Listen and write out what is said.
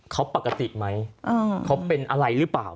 เขาปกติไหมเขาเป็นอะไรหรือเปล่า